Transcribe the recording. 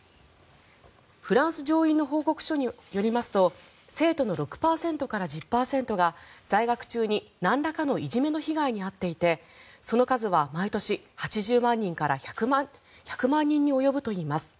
フランス上院の報告書によりますと生徒の６％から１０％が在学中に、なんらかのいじめの被害に遭っていてその数は毎年８０万人から１００万人に及ぶといいます。